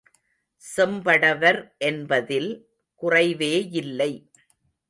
செம் படவர் என்பதில் குறைவேயில்லை.